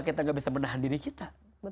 kita gak bisa menahan diri kita